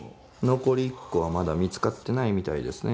残り１個はまだ見つかってないみたいですね。